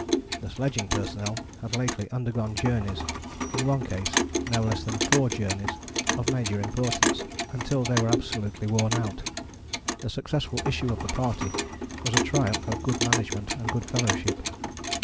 The sledging personnel had lately undergone journeys, in one case no less than four journeys, of major importance, until they were absolutely worn out. The successful issue of the party was a triumph of good management and good fellowship.